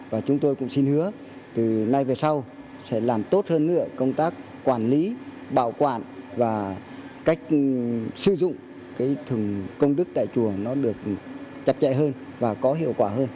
và chúng tôi cũng xin hứa từ nay về sau sẽ làm tốt hơn nữa công tác quản lý bảo quản và cách sử dụng cái thường công đức tại chùa nó được chặt chẽ hơn và có hiệu quả hơn